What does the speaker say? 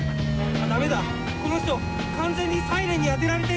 ダメだこの人完全にサイレンにあてられている！